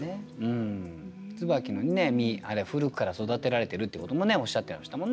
椿の実あれ古くから育てられてるっていうこともおっしゃってましたもんね。